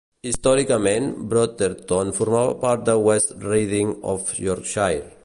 Històricament, Brotherton formava part de West Riding of Yorkshire.